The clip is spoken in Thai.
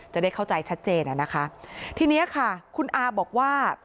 จะได้เข้าใจชัดเจนอ่ะนะคะทีเนี้ยค่ะคุณอาบอกว่า